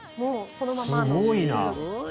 すごいな。